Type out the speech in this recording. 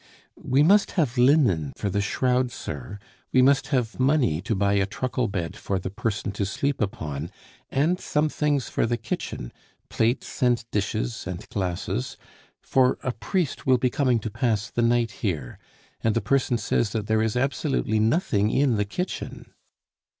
"We must have linen for the shroud, sir, we must have money to buy a truckle bed for the person to sleep upon, and some things for the kitchen plates, and dishes, and glasses, for a priest will be coming to pass the night here, and the person says that there is absolutely nothing in the kitchen."